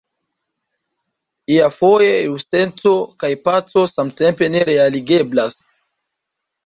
Iafoje justeco kaj paco samtempe ne realigeblas.